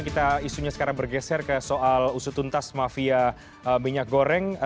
kita isunya sekarang bergeser ke soal usutuntas mafia minyak goreng